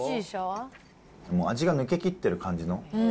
もう味が抜けきってる感じの。